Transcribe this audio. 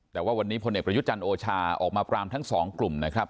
แต่ว่าวันนี้พลเอกประยุทธ์จันทร์โอชาออกมาปรามทั้งสองกลุ่มนะครับ